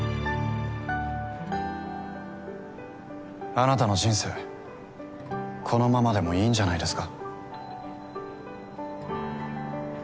あなたの人生このままでもいいんじゃないですか？